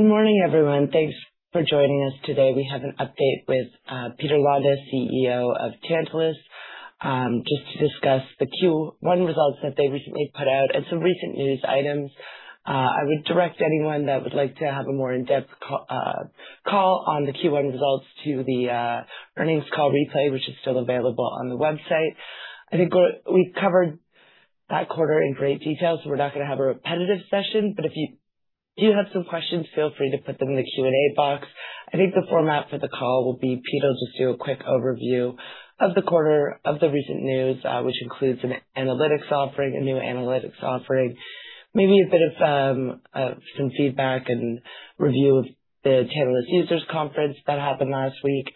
Good morning, everyone. Thanks for joining us today. We have an update with Peter Londa, CEO of Tantalus, just to discuss the Q1 results that they recently put out and some recent news items. I would direct anyone that would like to have a more in-depth call on the Q1 results to the earnings call replay, which is still available on the website. I think we've covered that quarter in great detail. We're not going to have a repetitive session. If you do have some questions, feel free to put them in the Q&A box. I think the format for the call will be Peter'll just do a quick overview of the quarter, of the recent news, which includes an analytics offering, a new analytics offering, maybe a bit of some feedback and review of the Tantalus Users Conference that happened last week.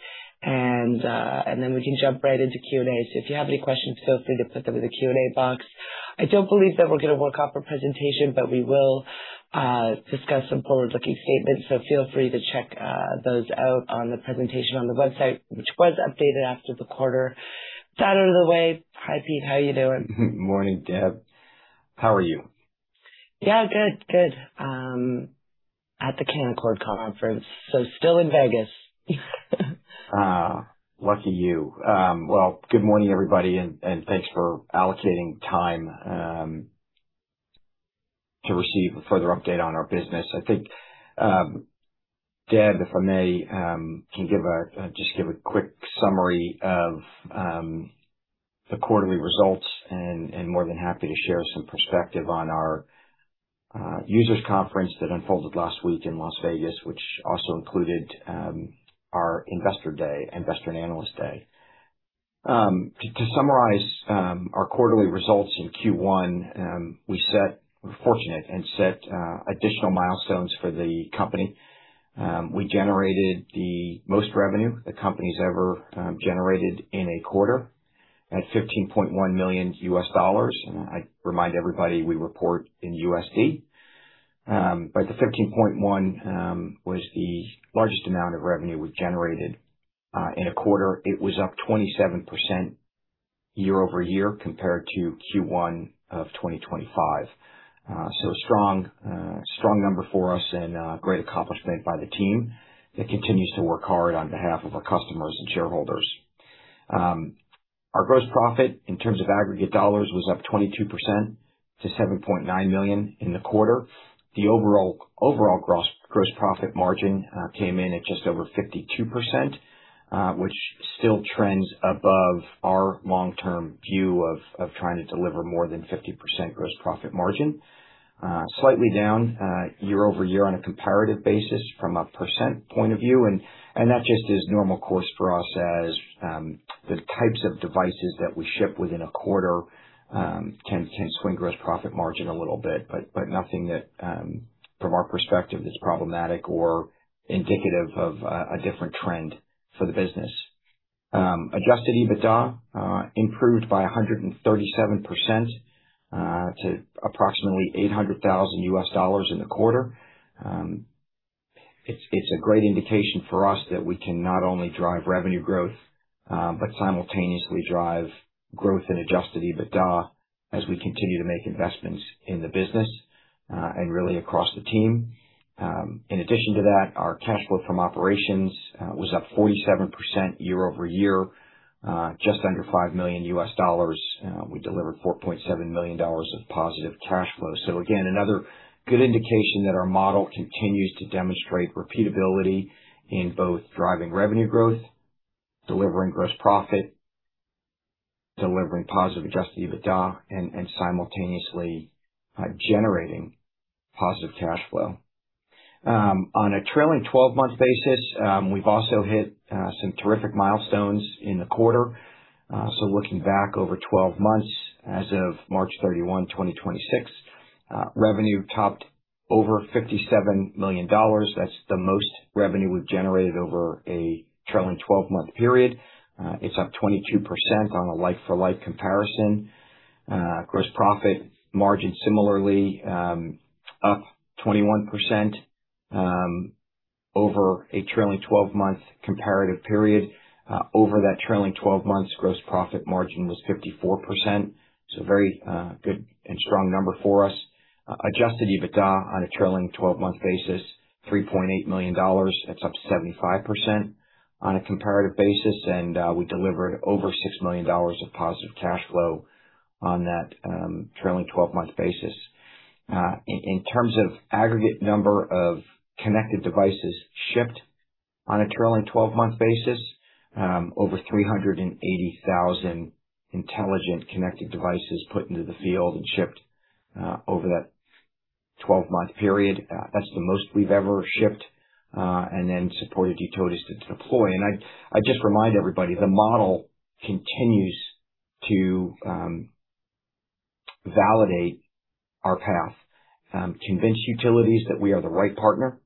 Then we can jump right into Q&A. If you have any questions, feel free to put them in the Q&A box. I don't believe that we're going to work off a presentation, but we will discuss some forward-looking statements, so feel free to check those out on the presentation on the website, which was updated after the quarter. That out of the way. Hi, Pete. How are you doing? Morning, Deb. How are you? Yeah, good. At the Canaccord conference, still in Vegas. Well, good morning, everybody, and thanks for allocating time to receive a further update on our business. I think, Deb, if I may, can give a quick summary of the quarterly results and more than happy to share some perspective on our users conference that unfolded last week in Las Vegas, which also included our investor and analyst day. To summarize our quarterly results in Q1, we were fortunate and set additional milestones for the company. We generated the most revenue the company's ever generated in a quarter at $15.1 million. I remind everybody, we report in USD. The $15.1 million was the largest amount of revenue we've generated in a quarter. It was up 27% year-over-year compared to Q1 of 2025. A strong number for us and a great accomplishment by the team that continues to work hard on behalf of our customers and shareholders. Our gross profit in terms of aggregate dollars was up 22% to 7.9 million in the quarter. The overall gross profit margin came in at just over 52%, which still trends above our long-term view of trying to deliver more than 50% gross profit margin. Slightly down year-over-year on a comparative basis from a percent point of view, that just is normal course for us as the types of devices that we ship within a quarter can swing gross profit margin a little bit, but nothing that from our perspective is problematic or indicative of a different trend for the business. Adjusted EBITDA improved by 137% to approximately $800,000 in the quarter. It's a great indication for us that we can not only drive revenue growth, but simultaneously drive growth in adjusted EBITDA as we continue to make investments in the business, and really across the team. In addition to that, our cash flow from operations was up 47% year-over-year, just under $5 million. We delivered $4.7 million of positive cash flow. Again, another good indication that our model continues to demonstrate repeatability in both driving revenue growth, delivering gross profit, delivering positive adjusted EBITDA, and simultaneously generating positive cash flow. On a trailing 12-month basis, we've also hit some terrific milestones in the quarter. Looking back over 12 months, as of March 31, 2026, revenue topped over $57 million. That's the most revenue we've generated over a trailing 12-month period. It's up 22% on a like-for-like comparison. Gross profit margin similarly up 21% over a trailing 12-month comparative period. Over that trailing 12 months, gross profit margin was 54%, a very good and strong number for us. Adjusted EBITDA on a trailing 12-month basis, $3.8 million. That's up 75% on a comparative basis, and we delivered over $6 million of positive cash flow on that trailing 12-month basis. In terms of aggregate number of connected devices shipped on a trailing 12-month basis, over 380,000 intelligent connected devices put into the field and shipped over that 12-month period. That's the most we've ever shipped and then supported utilities to deploy. I just remind everybody, the model continues to validate our path, convince utilities that we are the right partner,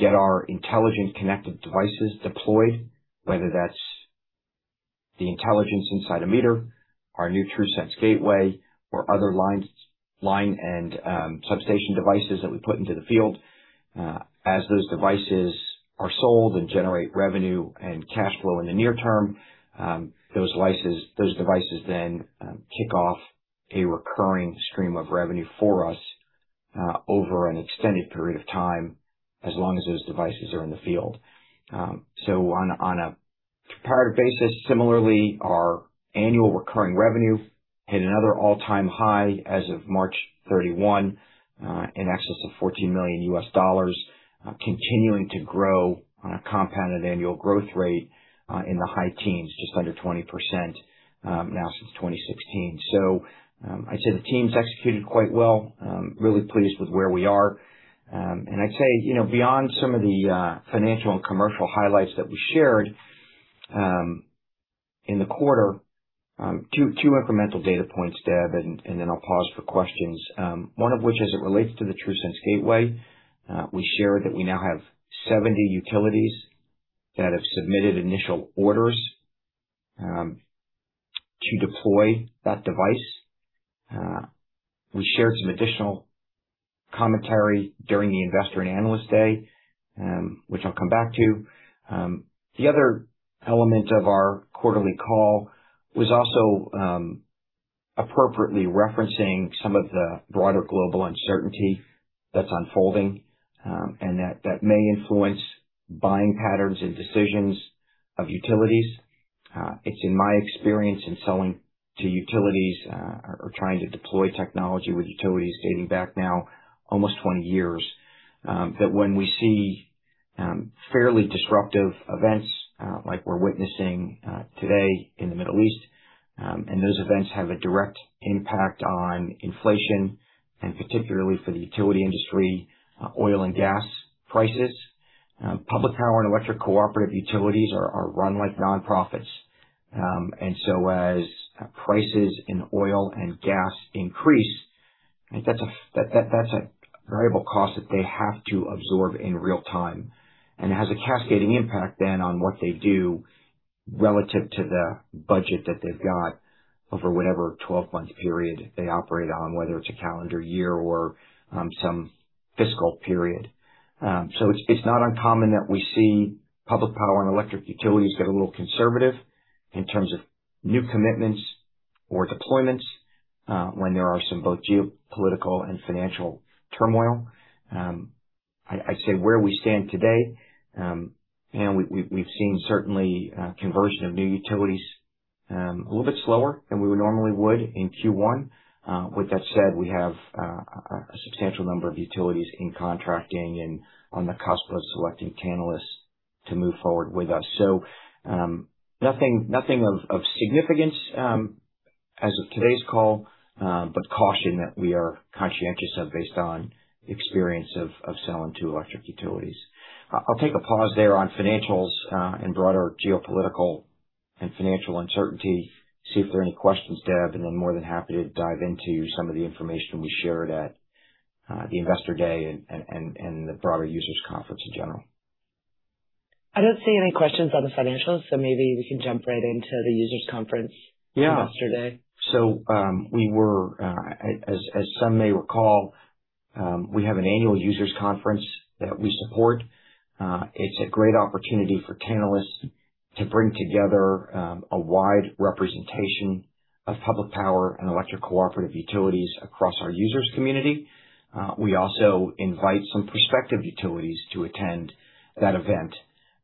get our intelligent connected devices deployed, whether that's the intelligence inside a meter, our new TRUSense Gateway or other line and substation devices that we put into the field. As those devices are sold and generate revenue and cash flow in the near term, those devices then kick off a recurring stream of revenue for us over an extended period of time, as long as those devices are in the field. On a comparative basis, similarly, our annual recurring revenue hit another all-time high as of March 31, in excess of $14 million, continuing to grow on a compounded annual growth rate in the high teens, just under 20% now since 2016. I'd say the team's executed quite well. I'm really pleased with where we are. I'd say, beyond some of the financial and commercial highlights that we shared in the quarter, two incremental data points, Deb, then I'll pause for questions. As it relates to the TRUSense Gateway, we shared that we now have 70 utilities that have submitted initial orders to deploy that device. We shared some additional commentary during the Investor and Analyst Day, which I'll come back to. The other element of our quarterly call was also appropriately referencing some of the broader global uncertainty that's unfolding, and that may influence buying patterns and decisions of utilities. It's in my experience in selling to utilities or trying to deploy technology with utilities dating back now almost 20 years, that when we see fairly disruptive events like we're witnessing today in the Middle East, and those events have a direct impact on inflation, and particularly for the utility industry, oil and gas prices. Public power and electric cooperative utilities are run like nonprofits. As prices in oil and gas increase, that's a variable cost that they have to absorb in real-time and it has a cascading impact then on what they do relative to the budget that they've got over whatever 12-month period they operate on, whether it's a calendar year or some fiscal period. It's not uncommon that we see public power and electric utilities get a little conservative in terms of new commitments or deployments, when there are some both geopolitical and financial turmoil. I'd say where we stand today, we've seen certainly conversion of new utilities, a little bit slower than we would normally would in Q1. With that said, we have a substantial number of utilities in contracting and on the cusp of selecting Tantalus to move forward with us. Nothing of significance as of today's call, but caution that we are conscientious of based on experience of selling to electric utilities. I'll take a pause there on financials and broader geopolitical and financial uncertainty, see if there are any questions, Deb, and then more than happy to dive into some of the information we shared at the Investor Day and the broader Users Conference in general.. I don't see any questions on the financials, so maybe we can jump right into the Users Conference. Yeah Investor Day. We were, as some may recall, we have an annual Users Conference that we support. It's a great opportunity for Tantalus to bring together a wide representation of public power and electric cooperative utilities across our users community. We also invite some prospective utilities to attend that event.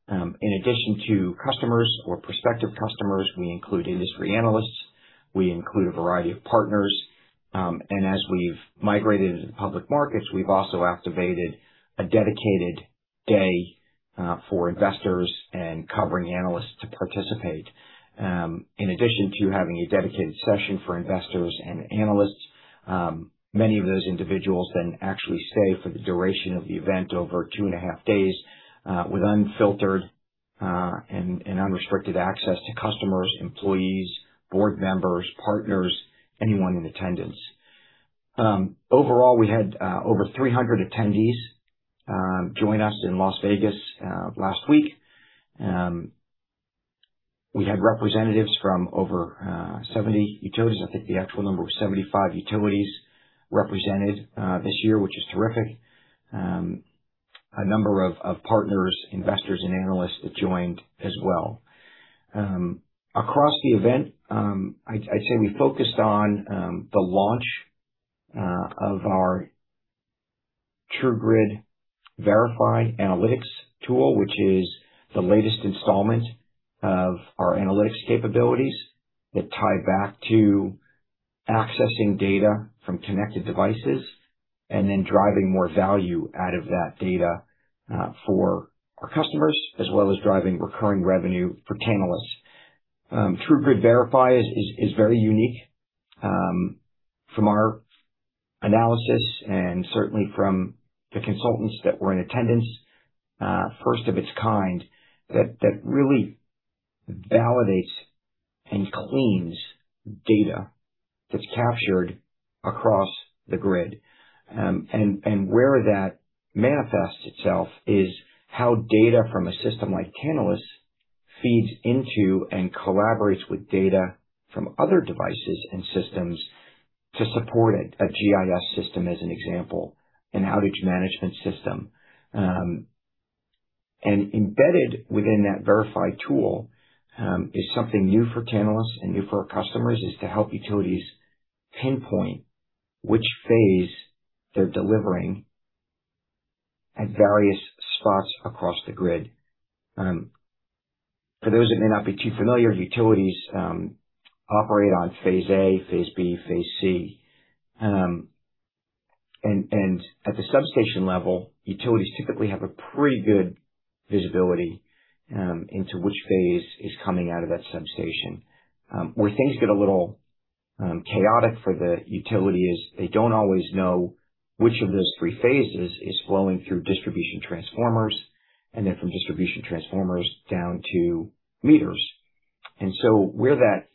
In addition to customers or prospective customers, we include industry analysts, we include a variety of partners, and as we've migrated into the public markets, we've also activated a dedicated day for investors and covering analysts to participate. In addition to having a dedicated session for investors and analysts, many of those individuals then actually stay for the duration of the event over two and a half days, with unfiltered and unrestricted access to customers, employees, board members, partners, anyone in attendance. Overall, we had over 300 attendees join us in Las Vegas last week. We had representatives from over 70 utilities. I think the actual number was 75 utilities represented this year, which is terrific. A number of partners, investors, and analysts joined as well. Across the event, I'd say we focused on the launch of our TRUGrid Verify analytics tool, which is the latest installment of our analytics capabilities that tie back to accessing data from connected devices and then driving more value out of that data for our customers, as well as driving recurring revenue for Tantalus. TRUGrid Verify is very unique from our analysis and certainly from the consultants that were in attendance, first of its kind, that really validates and cleans data that's captured across the grid. Where that manifests itself is how data from a system like Tantalus feeds into and collaborates with data from other devices and systems to support a GIS system, as an example, an outage management system. Embedded within that verify tool is something new for Tantalus and new for our customers, is to help utilities pinpoint which phase they're delivering at various spots across the grid. For those that may not be too familiar, utilities operate on phase A, phase B, phase C. At the substation level, utilities typically have a pretty good visibility into which phase is coming out of that substation. Where things get a little chaotic for the utility is they don't always know which of those three phases is flowing through distribution transformers, and then from distribution transformers down to meters. Where that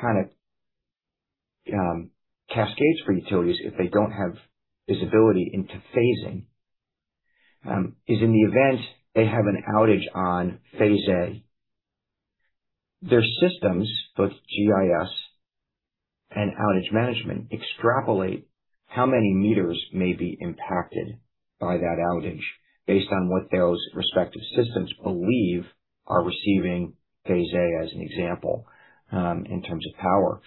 kind of cascades for utilities, if they don't have visibility into phasing, is in the event they have an outage on phase A, their systems, both GIS and outage management, extrapolate how many meters may be impacted by that outage based on what those respective systems believe are receiving phase A, as an example, in terms of power.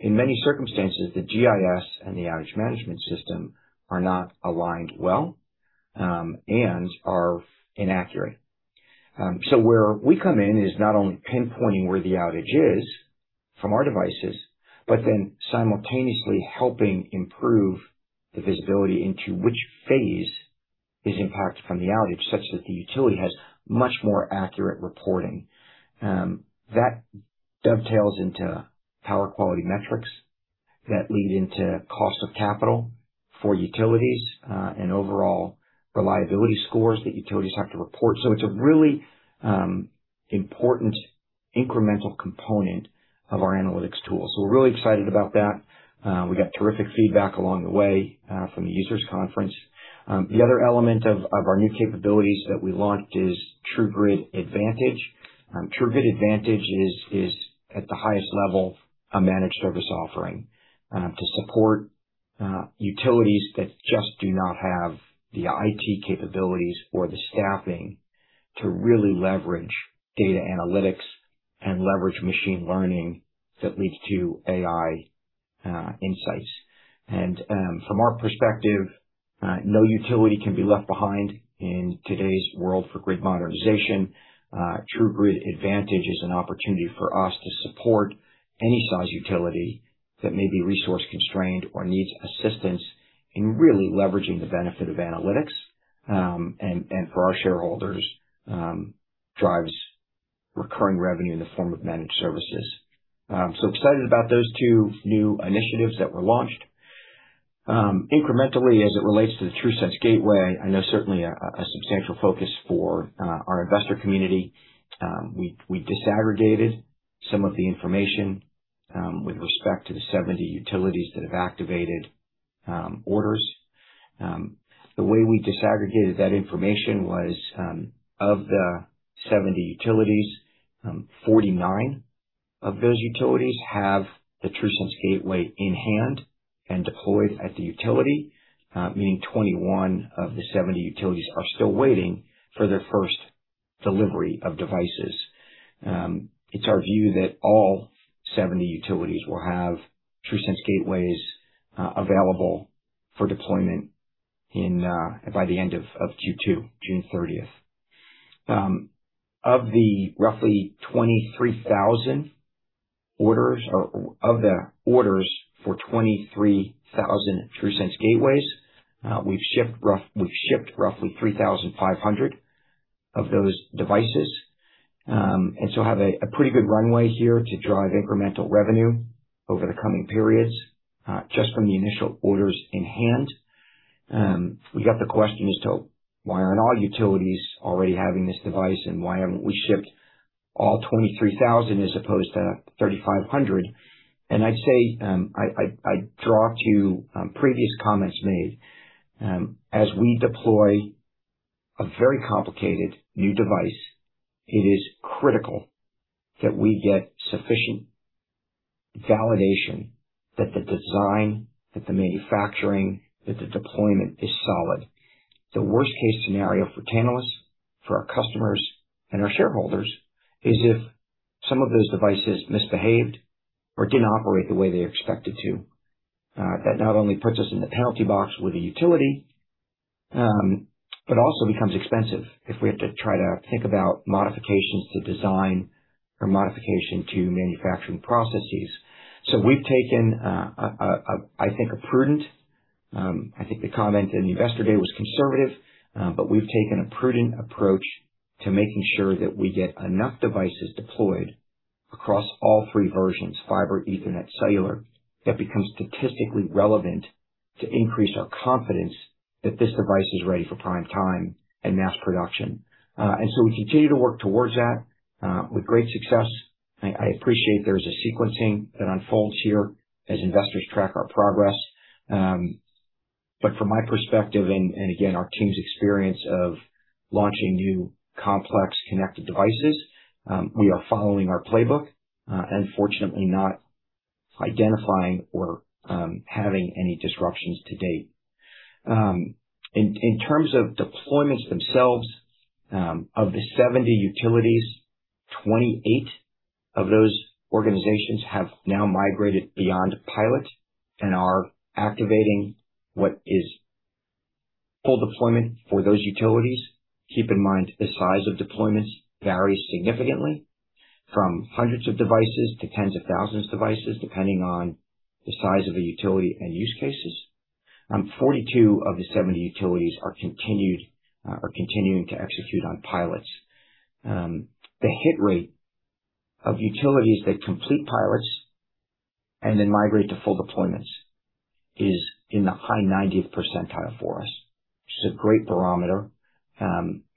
In many circumstances, the GIS and the outage management system are not aligned well, and are inaccurate. Where we come in is not only pinpointing where the outage is from our devices, but then simultaneously helping improve the visibility into which phase is impacted from the outage, such that the utility has much more accurate reporting. That dovetails into power quality metrics that lead into cost of capital for utilities, and overall reliability scores that utilities have to report. It's a really important incremental component of our analytics tools. We're really excited about that. We got terrific feedback along the way from the users conference. The other element of our new capabilities that we launched is TRUGrid Advantage. TRUGrid Advantage is at the highest level a managed service offering to support utilities that just do not have the IT capabilities or the staffing to really leverage data analytics and leverage machine learning that leads to AI insights. From our perspective, no utility can be left behind in today's world for grid modernization. TRUGrid Advantage is an opportunity for us to support any size utility that may be resource-constrained or needs assistance in really leveraging the benefit of analytics. For our shareholders, drives recurring revenue in the form of managed services. Excited about those two new initiatives that were launched. Incrementally, as it relates to the TRUSense Gateway, I know certainly a substantial focus for our investor community. We disaggregated some of the information with respect to the 70 utilities that have activated orders. The way we disaggregated that information was, of the 70 utilities, 49 of those utilities have the TRUSense Gateway in hand and deployed at the utility, meaning 21 of the 70 utilities are still waiting for their first delivery of devices. It's our view that all 70 utilities will have TRUSense Gateways available for deployment by the end of Q2, June 30th. Of the roughly 23,000 orders or of the orders for 23,000 TRUSense Gateways, we've shipped roughly 3,500 of those devices. Have a pretty good runway here to drive incremental revenue over the coming periods just from the initial orders in hand. We got the question as to why aren't all utilities already having this device, and why haven't we shipped all 23,000 as opposed to 3,500? I'd say, I draw to previous comments made. As we deploy a very complicated new device, it is critical that we get sufficient validation that the design, that the manufacturing, that the deployment is solid. The worst-case scenario for Tantalus, for our customers, and our shareholders is if some of those devices misbehaved or didn't operate the way they're expected to. That not only puts us in the penalty box with a utility, but also becomes expensive if we have to try to think about modifications to design or modification to manufacturing processes. We've taken, I think the comment in the investor day was conservative, but we've taken a prudent approach to making sure that we get enough devices deployed across all three versions, fiber, Ethernet, cellular, that become statistically relevant to increase our confidence that this device is ready for prime time and mass production. We continue to work towards that with great success. I appreciate there is a sequencing that unfolds here as investors track our progress. From my perspective and again, our team's experience of launching new complex connected devices, we are following our playbook. Unfortunately not identifying or having any disruptions to date. In terms of deployments themselves, of the 70 utilities, 28 of those organizations have now migrated beyond pilot and are activating what is full deployment for those utilities. Keep in mind, the size of deployments varies significantly from hundreds of devices to tens of thousands of devices, depending on the size of a utility and use cases. 42 of the 70 utilities are continuing to execute on pilots. The hit rate of utilities that complete pilots and then migrate to full deployments is in the high 90th percentile for us, which is a great barometer,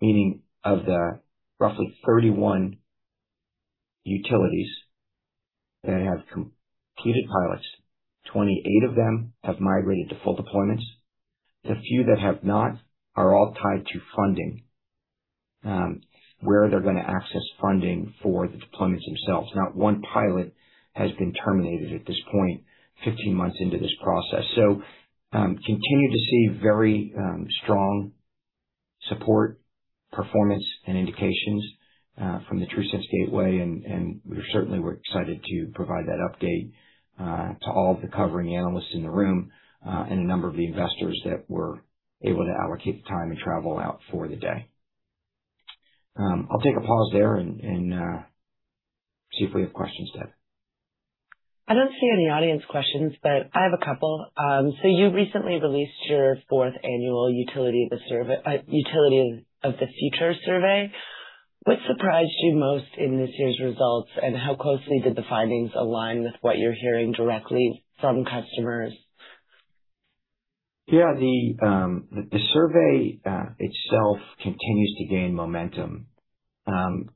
meaning of the roughly 31 utilities that have completed pilots, 28 of them have migrated to full deployments. The few that have not are all tied to funding, where they're going to access funding for the deployments themselves. Not 1 pilot has been terminated at this point, 15 months into this process. Continue to see very strong support, performance, and indications from the TRUSense Gateway, and we certainly were excited to provide that update to all of the covering analysts in the room and a number of the investors that were able to allocate the time and travel out for the day. I'll take a pause there and see if we have questions, Deb. I don't see any audience questions, but I have a couple. You recently released your fourth annual Utility of the Future Survey. What surprised you most in this year's results, and how closely did the findings align with what you're hearing directly from customers? Yeah. The survey itself continues to gain momentum, not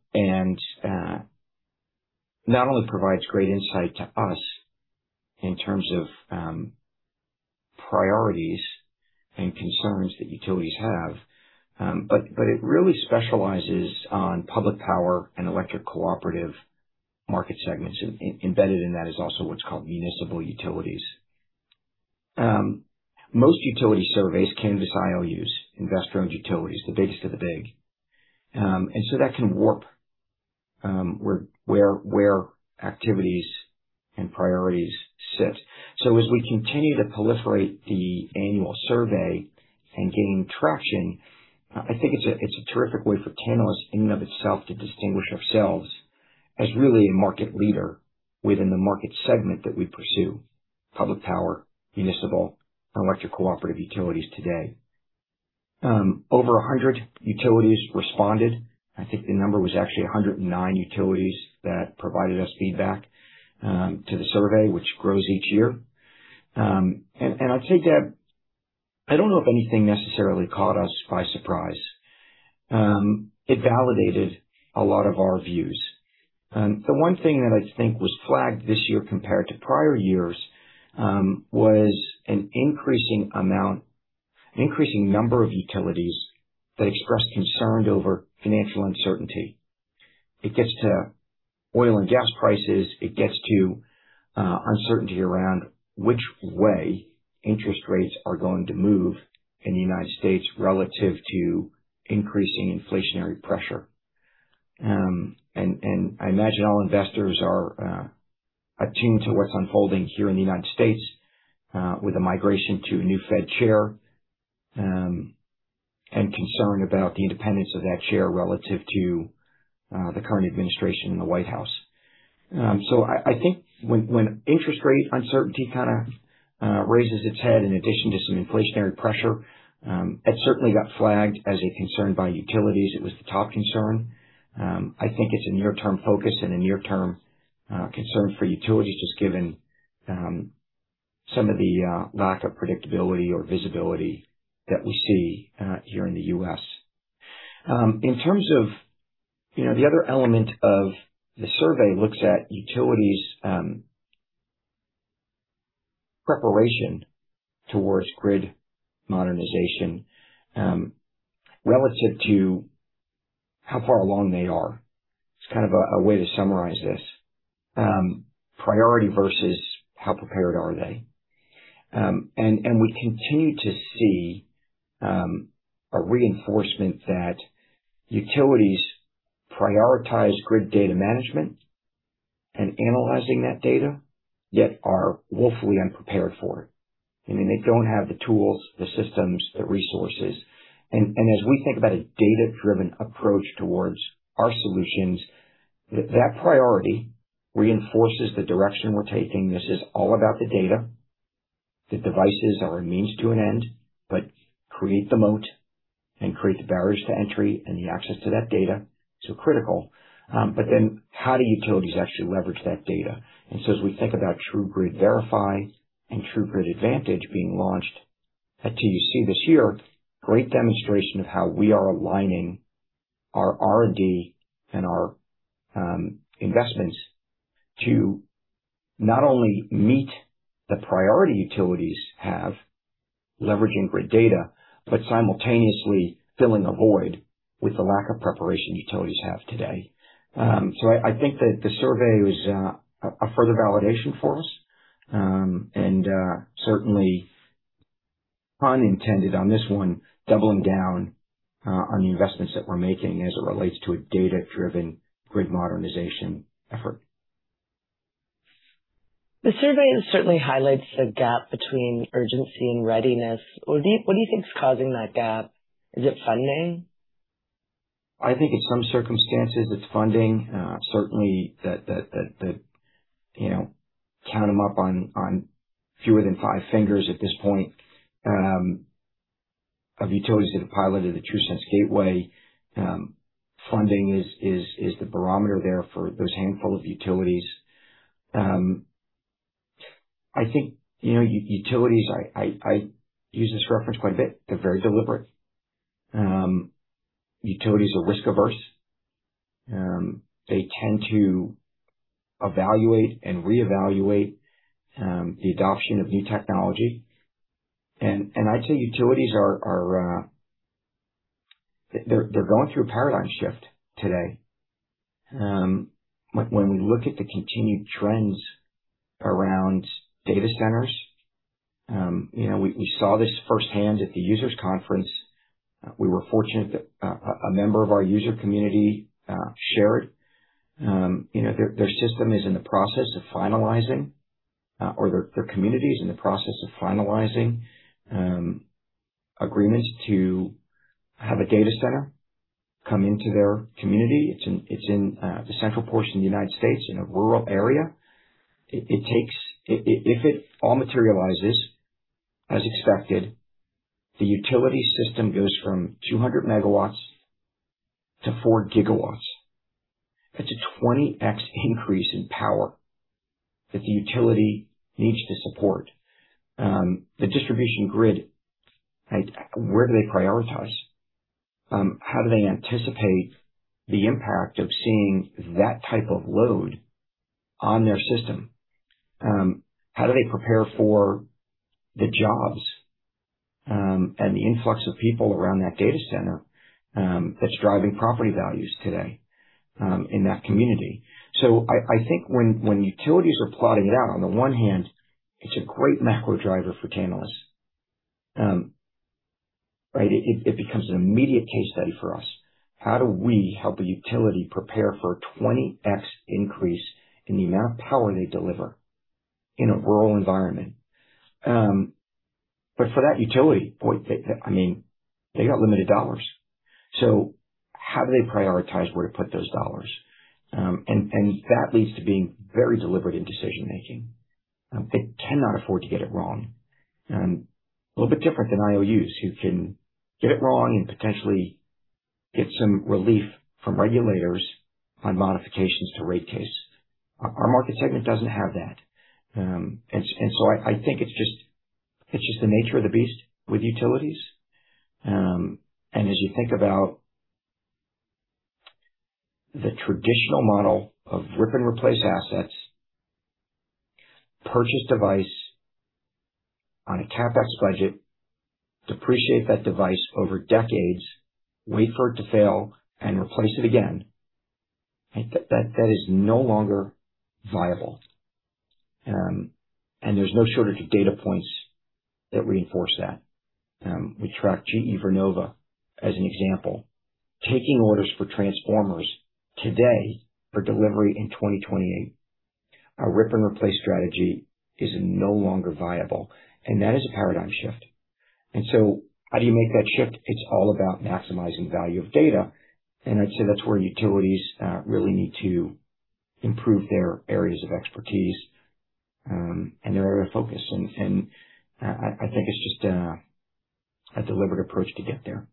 only provides great insight to us in terms of priorities and concerns that utilities have, but it really specializes on public power and electric cooperative market segments. Embedded in that is also what's called municipal utilities. Most utility surveys canvas IOUs, investor-owned utilities, the biggest of the big. That can warp where activities and priorities sit. As we continue to proliferate the annual survey and gain traction, I think it's a terrific way for Tantalus in and of itself to distinguish ourselves as really a market leader within the market segment that we pursue: public power, municipal, and electric cooperative utilities today. Over 100 utilities responded. I think the number was actually 109 utilities that provided us feedback to the survey, which grows each year. I'd say, Deb, I don't know if anything necessarily caught us by surprise. It validated a lot of our views. The one thing that I think was flagged this year compared to prior years, was an increasing number of utilities that expressed concern over financial uncertainty. It gets to oil and gas prices. It gets to uncertainty around which way interest rates are going to move in the U.S. relative to increasing inflationary pressure. I imagine all investors are attuned to what's unfolding here in the U.S. with a migration to a new Fed chair and concern about the independence of that chair relative to the current administration in the White House. I think when interest rate uncertainty kind of raises its head in addition to some inflationary pressure, it certainly got flagged as a concern by utilities. It was the top concern. I think it's a near-term focus and a near-term concern for utilities, just given some of the lack of predictability or visibility that we see here in the U.S. In terms of the other element of the survey looks at utilities' preparation towards grid modernization relative to how far along they are. It's kind of a way to summarize this. Priority versus how prepared are they. We continue to see a reinforcement that utilities prioritize grid data management and analyzing that data, yet are woefully unprepared for it, and they don't have the tools, the systems, the resources. As we think about a data-driven approach towards our solutions, that priority reinforces the direction we're taking. This is all about the data. The devices are a means to an end, but create the moat and create the barriers to entry and the access to that data, so critical. How do utilities actually leverage that data? As we think about TRUGrid Verify and TRUGrid Advantage being launched at TUC this year, great demonstration of how we are aligning our R&D and our investments to not only meet the priority utilities have leveraging great data, but simultaneously filling a void with the lack of preparation utilities have today. I think that the survey was a further validation for us, and certainly, pun intended on this one, doubling down on the investments that we're making as it relates to a data-driven grid modernization effort. The survey certainly highlights the gap between urgency and readiness. What do you think is causing that gap? Is it funding? I think in some circumstances it's funding. Certainly, count them up on fewer than five fingers at this point of utilities that have piloted the TRUSense Gateway. Funding is the barometer there for those handful of utilities. I think utilities, I use this reference quite a bit, they're very deliberate. Utilities are risk-averse. They tend to evaluate and reevaluate the adoption of new technology. I'd say utilities, they're going through a paradigm shift today. When we look at the continued trends around data centers, we saw this firsthand at the Users Conference. We were fortunate that a member of our user community shared. Their system is in the process of finalizing, or their community is in the process of finalizing agreements to have a data center come into their community. It's in the central portion of the United States in a rural area. If it all materializes as expected, the utility system goes from 200 MW to 4 GW. That's a 20x increase in power that the utility needs to support. The distribution grid, where do they prioritize? How do they anticipate the impact of seeing that type of load on their system? How do they prepare for the jobs, and the influx of people around that data center that's driving property values today in that community? I think when utilities are plotting it out, on the one hand, it's a great macro driver for Tantalus. It becomes an immediate case study for us. How do we help a utility prepare for a 20x increase in the amount of power they deliver in a rural environment? For that utility point, they got limited dollars. How do they prioritize where to put those dollars? That leads to being very deliberate in decision-making. They cannot afford to get it wrong. A little bit different than IOUs who can get it wrong and potentially get some relief from regulators on modifications to rate case. Our market segment doesn't have that. I think it's just the nature of the beast with utilities. As you think about the traditional model of rip and replace assets, purchase device on a CapEx budget, depreciate that device over decades, wait for it to fail, and replace it again. That is no longer viable. There's no shortage of data points that reinforce that. We track GE Vernova as an example, taking orders for transformers today for delivery in 2028. A rip and replace strategy is no longer viable, and that is a paradigm shift. How do you make that shift? It's all about maximizing value of data. I'd say that's where utilities really need to improve their areas of expertise, and their area of focus, and I think it's just a deliberate approach to get there.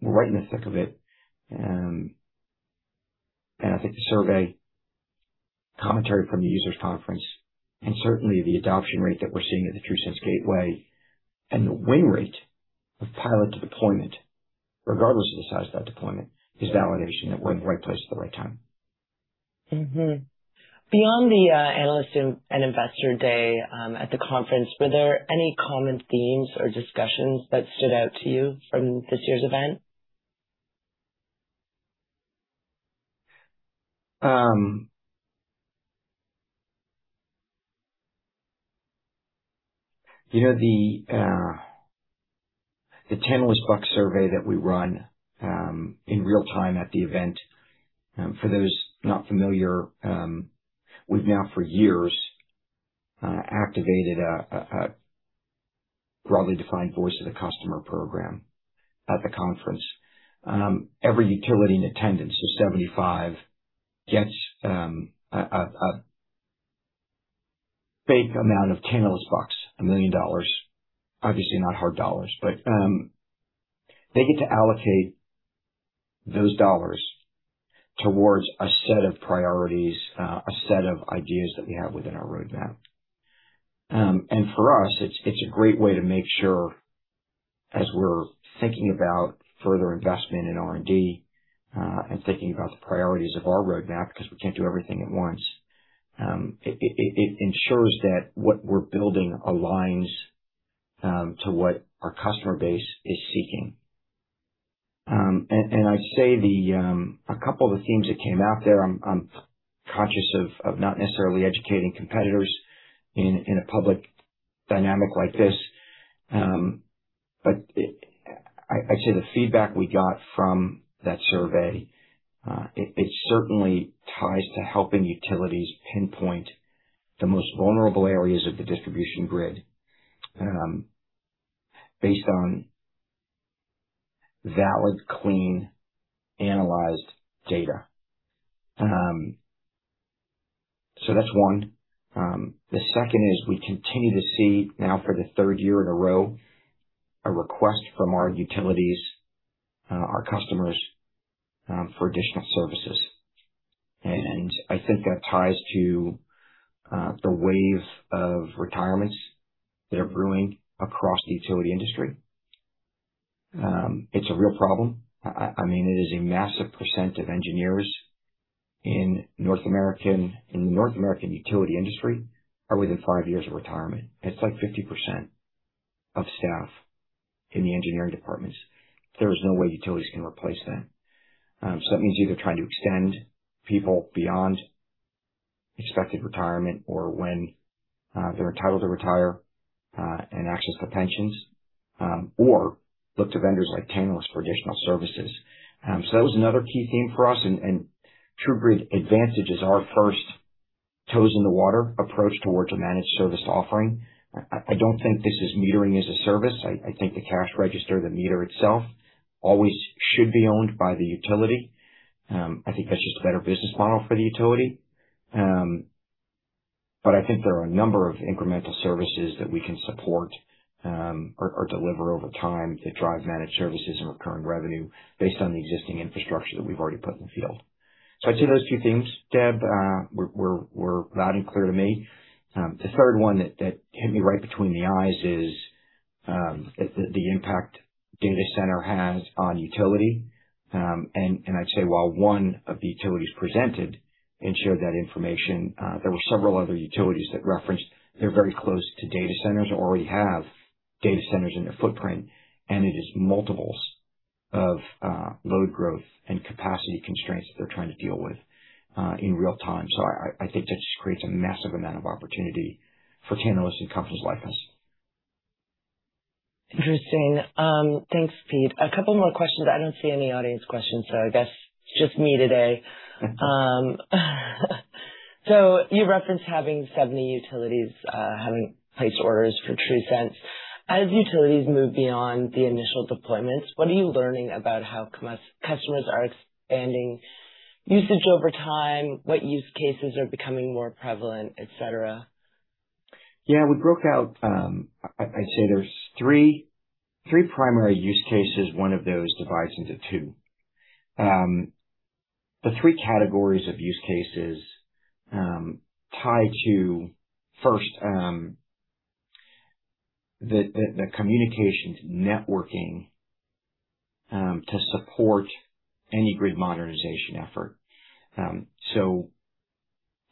We're right in the thick of it. I think the survey commentary from the Users Conference, and certainly the adoption rate that we're seeing at the TRUSense Gateway, and the win rate of pilot to deployment, regardless of the size of that deployment, is validation that we're in the right place at the right time. Mm-hmm. Beyond the analyst and investor day at the conference, were there any common themes or discussions that stood out to you from this year's event? The Tantalus Bucks survey that we run in real time at the event. For those not familiar, we've now for years activated a broadly defined Voice of the Customer program at the conference. Every utility in attendance of 75 gets a fake amount of Tantalus Bucks, 1 million dollars. Obviously not hard dollars, they get to allocate those dollars towards a set of priorities, a set of ideas that we have within our roadmap. For us, it's a great way to make sure as we're thinking about further investment in R&D, and thinking about the priorities of our roadmap, because we can't do everything at once, it ensures that what we're building aligns to what our customer base is seeking. I'd say a couple of the themes that came out there, I'm conscious of not necessarily educating competitors in a public dynamic like this. I'd say the feedback we got from that survey, it certainly ties to helping utilities pinpoint the most vulnerable areas of the distribution grid based on valid, clean, analyzed data. That's one. The second is we continue to see now, for the third year in a row, a request from our utilities, our customers, for additional services. I think that ties to the wave of retirements that are brewing across the utility industry. It's a real problem. It is a massive percent of engineers in the North American utility industry are within five years of retirement. It's like 50% of staff in the engineering departments. There is no way utilities can replace them. That means either trying to extend people beyond expected retirement or when they're entitled to retire, and access their pensions, or look to vendors like Tantalus for additional services. That was another key theme for us, and TRUGrid Advantage is our first toes in the water approach towards a managed service offering. I don't think this is metering as a service. I think the cash register, the meter itself, always should be owned by the utility. I think that's just a better business model for the utility. I think there are a number of incremental services that we can support, or deliver over time to drive managed services and recurring revenue based on the existing infrastructure that we've already put in the field. I'd say those two themes, Deb, were loud and clear to me. The third one that hit me right between the eyes is the impact data center has on utility. I'd say while one of the utilities presented and shared that information, there were several other utilities that referenced they're very close to data centers or already have data centers in their footprint, and it is multiples of load growth and capacity constraints that they're trying to deal with, in real time. I think that just creates a massive amount of opportunity for Tantalus and companies like us. Interesting. Thanks, Pete. A couple more questions. I don't see any audience questions, I guess it's just me today. You referenced having 70 utilities, having placed orders for TRUSense. As utilities move beyond the initial deployments, what are you learning about how customers are expanding usage over time? What use cases are becoming more prevalent, et cetera? Yeah, we broke out, I'd say there's three primary use cases. One of those divides into two. The three categories of use cases tie to first, the communications networking, to support any grid modernization effort.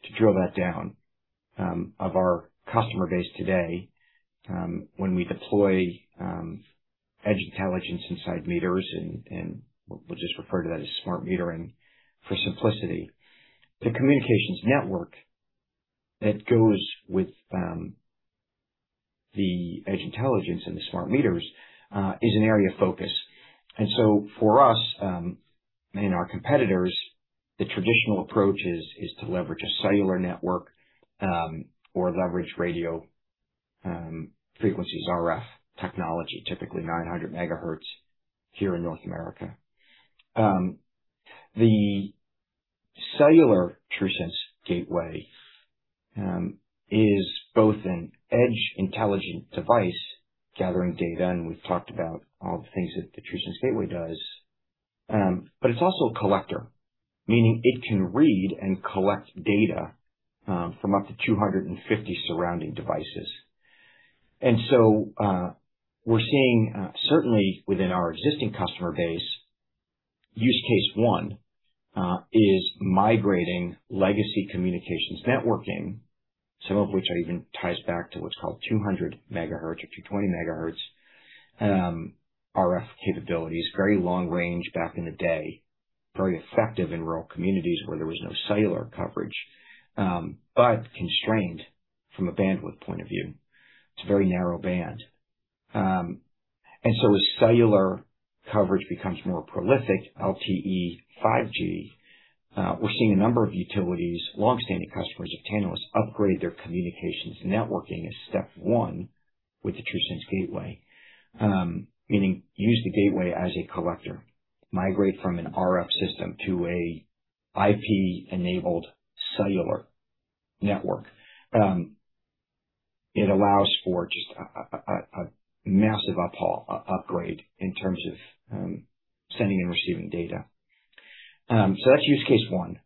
To drill that down, of our customer base today, when we deploy edge intelligence inside meters, and we'll just refer to that as smart metering for simplicity. The communications network that goes with the edge intelligence and the smart meters, is an area of focus. For us, and our competitors, the traditional approach is to leverage a cellular network, or leverage radio frequencies, RF technology, typically 900 MHz here in North America. The cellular TRUSense Gateway is both an edge intelligent device gathering data, and we've talked about all the things that the TRUSense Gateway does. It's also a collector, meaning it can read and collect data from up to 250 surrounding devices. We're seeing, certainly within our existing customer base, use case 1, is migrating legacy communications networking, some of which even ties back to what's called 200 MHz or 220 MHz RF capabilities. Very long range back in the day, very effective in rural communities where there was no cellular coverage, but constrained from a bandwidth point of view. It's a very narrow band. As cellular coverage becomes more prolific, LTE 5G, we're seeing a number of utilities, long-standing customers of Tantalus, upgrade their communications networking as step one with the TRUSense Gateway. Meaning use the gateway as a collector, migrate from an RF system to a IP-enabled cellular network. It allows for just a massive upgrade in terms of sending and receiving data. That's use case 1.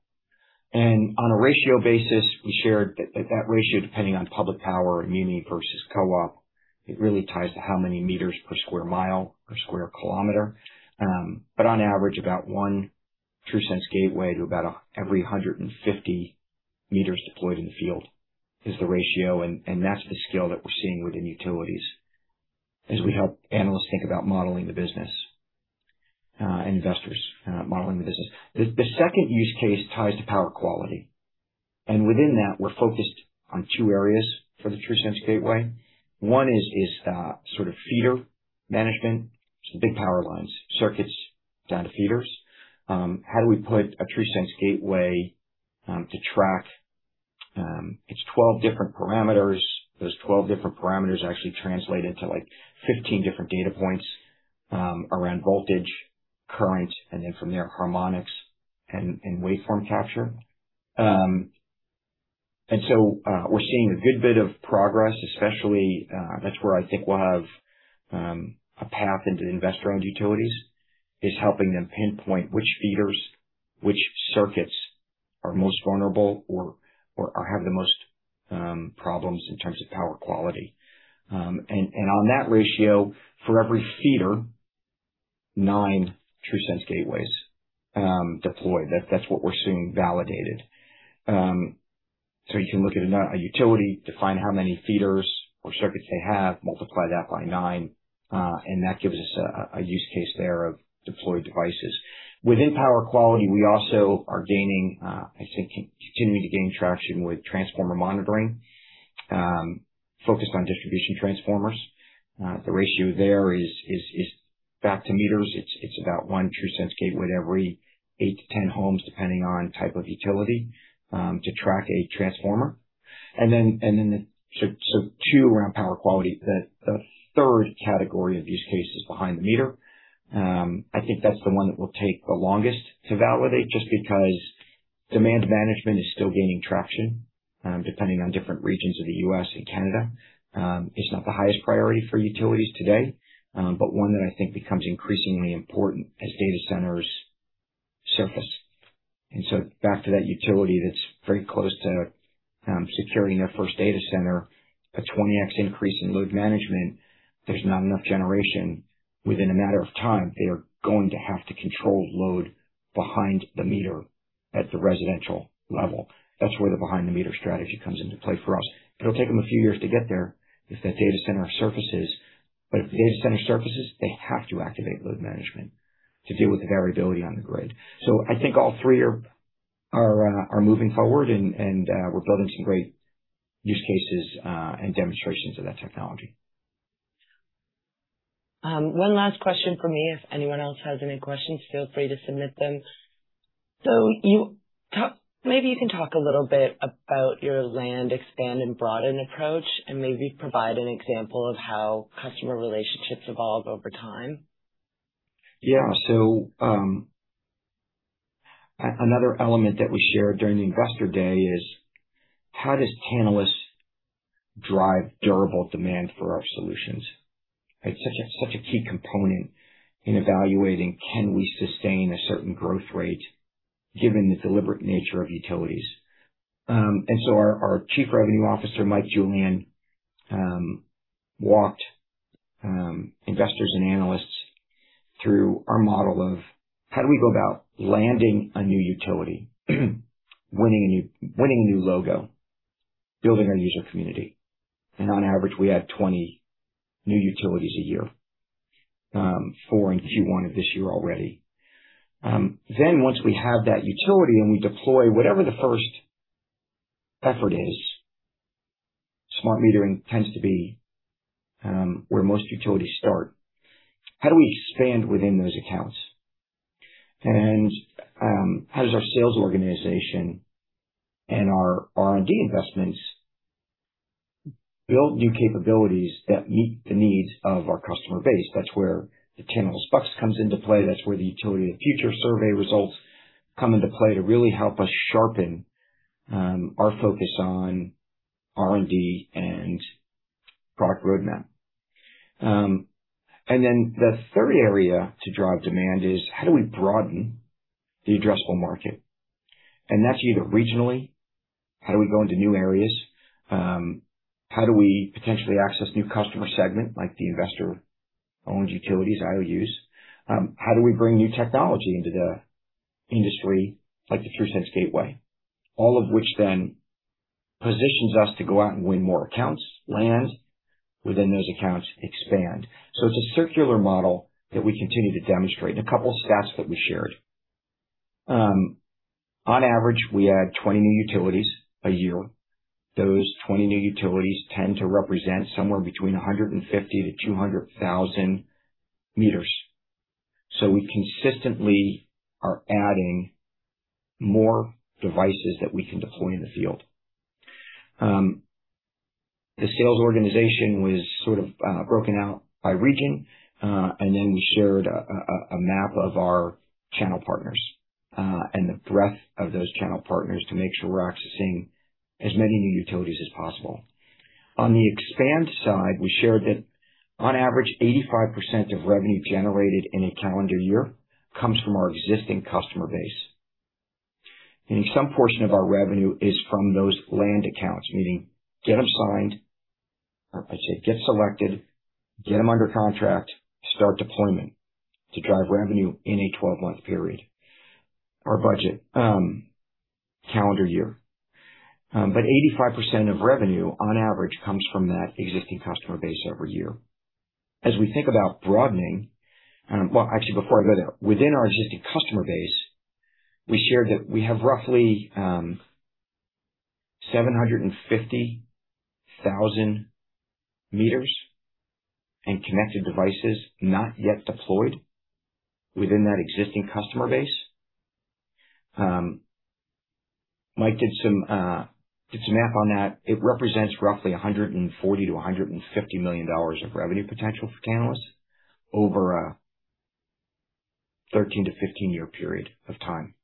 On a ratio basis, we shared that ratio depending on public power and muni versus co-op, it really ties to how many meters per square mile or square kilometer. On average, about one TRUSense Gateway to about every 150 m deployed in the field is the ratio, and that's the scale that we're seeing within utilities as we help analysts think about modeling the business, and investors modeling the business. The second use case ties to power quality, and within that, we're focused on two areas for the TRUSense Gateway. One is feeder management, so the big power lines, circuits down to feeders. How do we put a TRUSense Gateway to track its 12 different parameters? Those 12 different parameters actually translate into 15 different data points around voltage, current, and then from there, harmonics and waveform capture. We're seeing a good bit of progress especially, that's where I think we'll have a path into Investor-Owned Utilities, is helping them pinpoint which feeders, which circuits are most vulnerable or have the most problems in terms of power quality. On that ratio, for every feeder, nine TRUSense Gateways deployed. That's what we're seeing validated. You can look at a utility, define how many feeders or circuits they have, multiply that by nine, and that gives us a use case there of deployed devices. Within power quality, we also are gaining, I'd say, continuing to gain traction with transformer monitoring, focused on distribution transformers. The ratio there is, back to meters, it's about one TRUSense Gateway to every eight-10 homes, depending on type of utility, to track a transformer. Two around power quality. The third category of use case is behind-the-meter. I think that's the one that will take the longest to validate, just because demand management is still gaining traction, depending on different regions of the U.S. and Canada. It's not the highest priority for utilities today, but one that I think becomes increasingly important as data centers surface. Back to that utility that's very close to securing their first data center, a 20x increase in load management, there's not enough generation. Within a matter of time, they are going to have to control load behind-the-meter at the residential level. That's where the behind-the-meter strategy comes into play for us. It'll take them a few years to get there if that data center surfaces. If the data center surfaces, they have to activate load management to deal with the variability on the grid. I think all three are moving forward and we're building some great use cases and demonstrations of that technology. One last question from me. If anyone else has any questions, feel free to submit them. Maybe you can talk a little bit about your land expand and broaden approach, and maybe provide an example of how customer relationships evolve over time. Another element that we shared during the investor day is how does Tantalus drive durable demand for our solutions? It's such a key component in evaluating can we sustain a certain growth rate given the deliberate nature of utilities. Our Chief Revenue Officer, Mike Julian, walked investors and analysts through our model of how do we go about landing a new utility, winning a new logo, building our user community. On average, we add 20 new utilities a year. Four in Q1 of this year already. Once we have that utility and we deploy whatever the first effort is, smart metering tends to be where most utilities start. How do we expand within those accounts? How does our sales organization and our R&D investments build new capabilities that meet the needs of our customer base? That's where the Tantalus Bucks comes into play. That's where the Utility of the Future Survey results come into play to really help us sharpen our focus on R&D and product roadmap. The third area to drive demand is how do we broaden the addressable market? That's either regionally, how do we go into new areas? How do we potentially access new customer segment like the Investor-Owned Utilities, IOUs? How do we bring new technology into the industry like the TRUSense Gateway? All of which positions us to go out and win more accounts, land within those accounts, expand. It's a circular model that we continue to demonstrate. A couple of stats that we shared. On average, we add 20 new utilities a year. Those 20 new utilities tend to represent somewhere between 150,000 meters-200,000 meters. We consistently are adding more devices that we can deploy in the field. The sales organization was sort of broken out by region, and then we shared a map of our channel partners, and the breadth of those channel partners to make sure we're accessing as many new utilities as possible. On the expand side, we shared that on average, 85% of revenue generated in a calendar year comes from our existing customer base. Some portion of our revenue is from those land accounts, meaning get them signed, or I'd say get selected, get them under contract, start deployment to drive revenue in a 12-month period, or budget calendar year. 85% of revenue, on average, comes from that existing customer base every year. As we think about broadening, well, actually, before I go there, within our existing customer base, we shared that we have roughly 750,000 meters and connected devices not yet deployed within that existing customer base. Mike did some math on that. It represents roughly $140 million-$150 million of revenue potential for Tantalus over a 13-15-year period of time.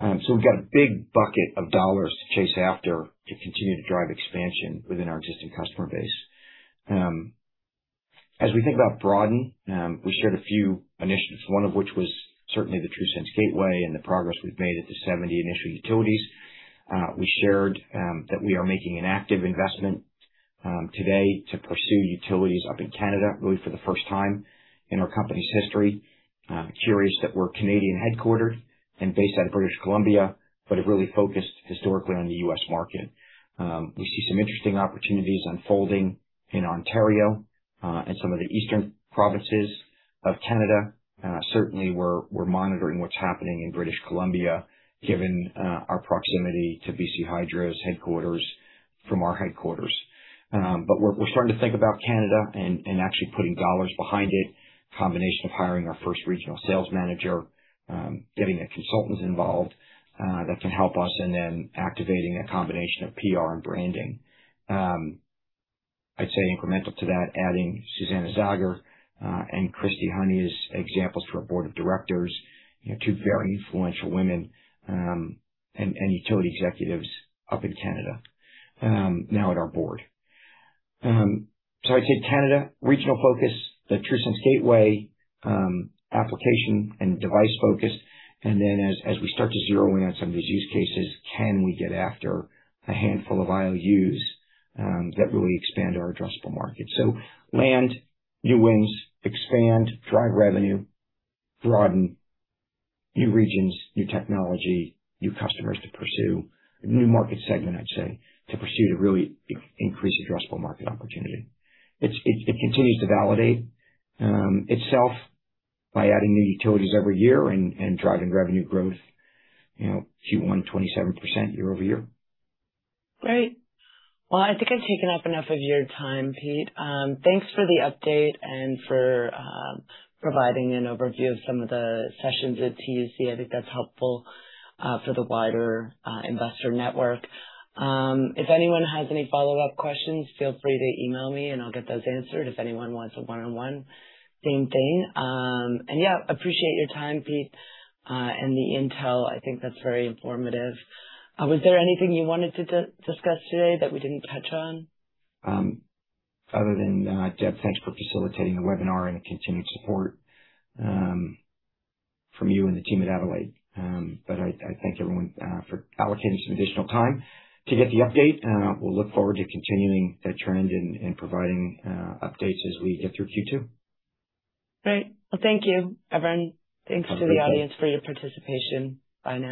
We've got a big bucket of dollars to chase after to continue to drive expansion within our existing customer base. As we think about broaden, we shared a few initiatives, one of which was certainly the TRUSense Gateway and the progress we've made at the 70 initial utilities. We shared that we are making an active investment today to pursue utilities up in Canada, really for the first time in our company's history. Curious that we're Canadian-headquartered and based out of British Columbia, but have really focused historically on the U.S. market. We see some interesting opportunities unfolding in Ontario, and some of the eastern provinces of Canada. Certainly, we're monitoring what's happening in British Columbia, given our proximity to BC Hydro's headquarters from our headquarters. We're starting to think about Canada and actually putting dollars behind it. Combination of hiring our first regional sales manager, getting the consultants involved that can help us, and then activating a combination of PR and branding. I'd say incremental to that, adding Susanna Zagar, and Kristi Honey as examples for our board of directors, two very influential women, and utility executives up in Canada, now at our board. I'd say Canada, regional focus, the TRUSense Gateway, application and device focus. As we start to zero in on some of these use cases, can we get after a handful of IOUs that really expand our addressable market? Land, new wins, expand, drive revenue, broaden new regions, new technology, new customers to pursue, a new market segment, I'd say, to pursue to really increase addressable market opportunity. It continues to validate itself by adding new utilities every year and driving revenue growth Q1, 27% year-over-year. Great. Well, I think I've taken up enough of your time, Pete. Thanks for the update and for providing an overview of some of the sessions at TUC. I think that's helpful for the wider investor network. If anyone has any follow-up questions, feel free to email me and I'll get those answered if anyone wants a one-on-one. Same thing. Yeah, appreciate your time, Pete, and the intel. I think that's very informative. Was there anything you wanted to discuss today that we didn't touch on? Other than thanks for facilitating the webinar and the continued support from you and the team at Adelaide. I thank everyone for allocating some additional time to get the update. We'll look forward to continuing that trend and providing updates as we get through Q2. Great. Well, thank you, everyone. Thanks to the audience for your participation. Bye now.